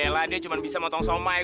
ela dia cuma bisa motong somai